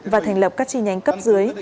và thành lập các chi nhánh cấp dưới